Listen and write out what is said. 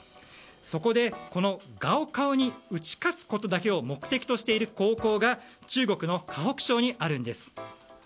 そこで、このガオカオに打ち勝つことだけを目的としている高校が中国の河北省にあるんです。